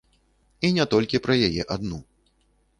І не толькі пра яе адну.